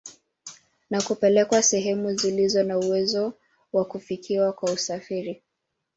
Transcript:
Na kupelekwa sehemu zilizo na uwezo wa kufikiwa kwa usafiri